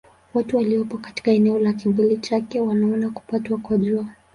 Watu waliopo katika eneo la kivuli chake wanaona kupatwa kwa Jua.